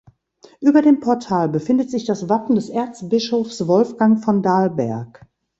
Über dem Portal befindet sich das Wappen des Erzbischofs Wolfgang von Dalberg.